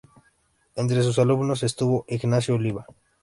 Entre sus alumnos estuvo Ignazio Oliva.